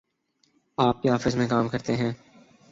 آپ کی آفس میں کام کرتے ہیں۔